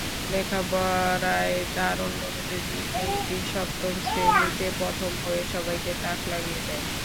লেখাপড়ায় দারুণ মনোযোগী মেয়েটি সপ্তম শ্রেণিতে প্রথম হয়ে সবাইকে তাক লাগিয়ে দেয়।